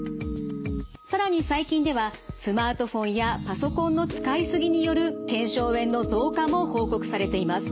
更に最近ではスマートフォンやパソコンの使い過ぎによる腱鞘炎の増加も報告されています。